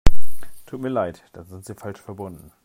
Tut mir leid, dann sind Sie falsch verbunden.